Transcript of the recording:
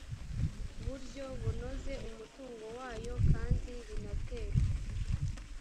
buryo bunoze umutungo wayo kandi binaterwe